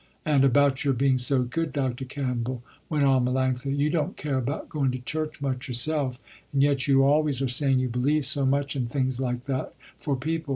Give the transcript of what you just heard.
And about your being so good Dr. Campbell," went on Melanctha, "You don't care about going to church much yourself, and yet you always are saying you believe so much in things like that, for people.